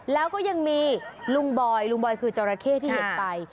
แล้วก็ยังมีลุงบอยคือเจาราคเกสที่เห็นใส